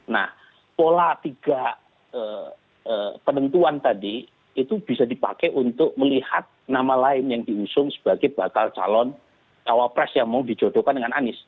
nah pola tiga penentuan tadi itu bisa dipakai untuk melihat nama lain yang diusung sebagai bakal calon tawapres yang mau dijodohkan dengan anies